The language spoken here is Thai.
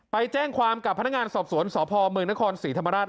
ไปแจ้งความกับพนักงานสอบสวนสพเมืองนครศรีธรรมราช